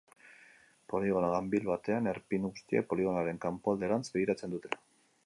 Poligono ganbil batean, erpin guztiek poligonoaren kanpoalderantz begiratzen dute.